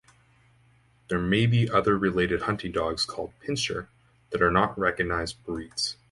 There may be other related hunting dogs called "pinscher" that are not recognized breeds.